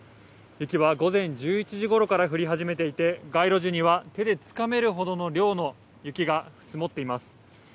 雪は午前１１時ごろから降り始めていて、街路樹には手でつかめるほどの量の雪が積もっています。